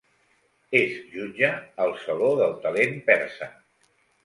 És jutge al "Saló del Talent Persa".